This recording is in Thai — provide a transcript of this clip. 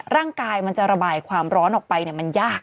มันจะระบายความร้อนออกไปมันยาก